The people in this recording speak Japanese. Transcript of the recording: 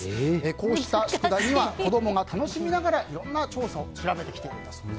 こうした宿題には子供が楽しみながらいろんな調査を調べているんだそうです。